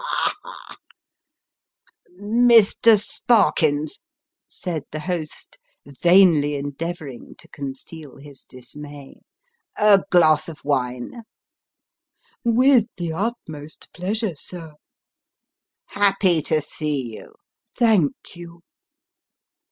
Ha, ha !"" Mr. Sparkins," said the host, vainly endeavouring to conceal his dismay, " a glass of wine ?"" With the utmost pleasure, sir." " Happy to see you." " Thank you."